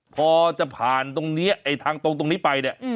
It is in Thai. พอจะผ่านตรงนี้ไอ้ทางตรงตรงนี้ไปเนี่ย